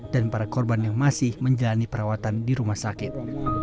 dan para korban yang masih menjalani perawatan di rumah sakit